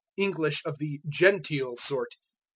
English of the "genteel" sort.